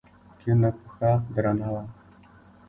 کيڼه پښه درنه وه.